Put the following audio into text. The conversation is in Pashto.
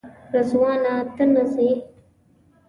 رضوانه ته نه ځې؟